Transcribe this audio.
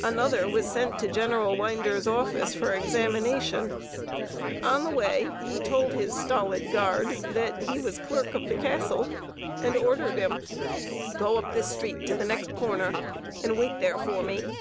Another was sent to General Winder's office for examination. On the way he told his stolid guard that he was clerk of the Castle, and ordered him: "Go up this street to the next corner and wait there for me.